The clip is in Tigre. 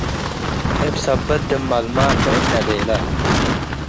እብ ሰበት ድመልማ ክእና ቤላ።-